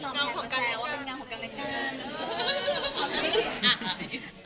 เงางานของกับใคร